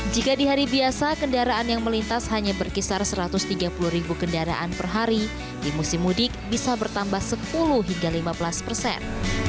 jika di hari biasa kendaraan yang melintas hanya berkisar satu ratus tiga puluh ribu kendaraan per hari di musim mudik bisa bertambah sepuluh hingga lima belas persen